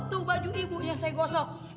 tuh baju ibunya saya gosok